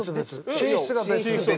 寝室が別。